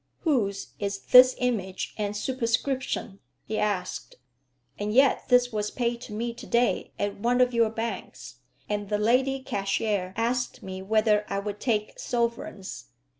"Whose is this image and superscription?" he asked. "And yet this was paid to me to day at one of your banks, and the lady cashier asked me whether I would take sovereigns.